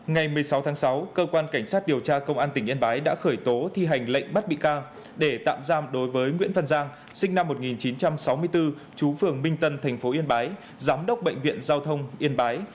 ngày một mươi sáu tháng sáu cơ quan cảnh sát điều tra công an tỉnh yên bái đã khởi tố thi hành lệnh bắt bị can để tạm giam đối với nguyễn văn giang sinh năm một nghìn chín trăm sáu mươi bốn chú phường minh tân tp yên bái giám đốc bệnh viện giao thông yên bái